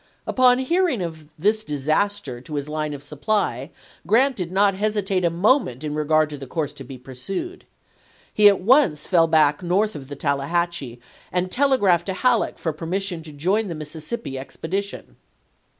1 On hearing of this disaster to his line of supply Grant did not hesitate a moment in regard to the course to be pursued. He at once fell back north of the Tallahatchie and telegraphed to Halleck for permission to join the Mississippi expedition.